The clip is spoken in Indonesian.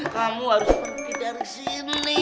kamu harus pergi dari sini